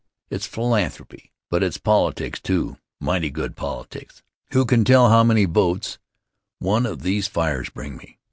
It's philanthropy, but it's politics, too mighty good politics. Who can tell how many votes one of these fires bring me?